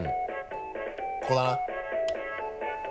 ここだな。